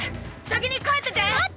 先に帰ってて！